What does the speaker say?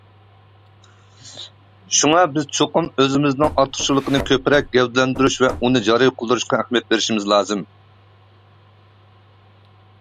شۇڭا، بىز چوقۇم ئۆزىمىزنىڭ ئارتۇقچىلىقىنى كۆپرەك گەۋدىلەندۈرۈش ۋە ئۇنى جارى قىلدۇرۇشقا ئەھمىيەت بېرىشىمىز لازىم.